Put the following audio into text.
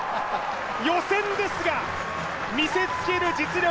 予選ですが、見せつける実力。